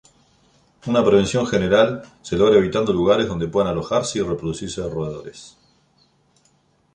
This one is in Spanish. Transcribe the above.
Una prevención general se logra evitando lugares donde puedan alojarse y reproducirse roedores.